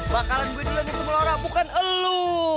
bakalan gue itu yang ngikut melora bukan elu